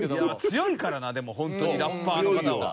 強いからなでもホントにラッパーの方は。